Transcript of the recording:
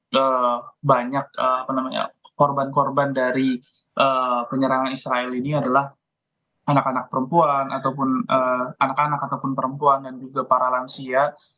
dan banyak korban korban dari penyerangan israel ini adalah anak anak perempuan ataupun anak anak ataupun perempuan dan juga para lansia